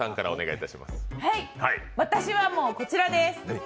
私はもう、こちらです。